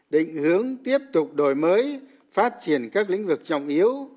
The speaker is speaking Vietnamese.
định hướng tiếp tục đổi mới phát triển các lĩnh vực trọng yếu